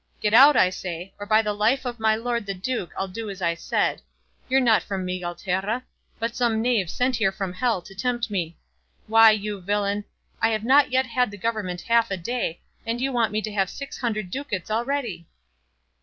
Get out I say, or by the life of my lord the duke I'll do as I said. You're not from Miguelturra, but some knave sent here from hell to tempt me. Why, you villain, I have not yet had the government half a day, and you want me to have six hundred ducats already!"